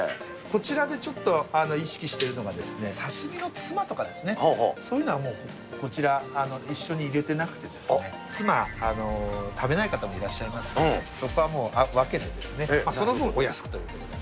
こちらでちょっと意識しているのが、刺身のつまとかですね、そういうのはもう、こちら一緒に入れてなくてですね、つま、食べない方もいらっしゃいますので、そこはもう、分けてですね、その分お安くということで。